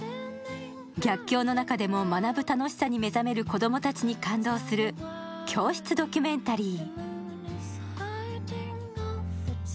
逆境の中でも学ぶ楽しさに目覚める子供たちに感動する教室ドキュメンタリー。